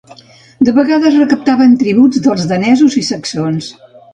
De vegades recaptaven tributs dels danesos i saxons.